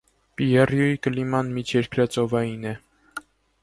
Պիեռյուի կլիման միջերկրածովային է։